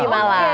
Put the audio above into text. oh di malang